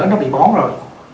nó bị bón rồi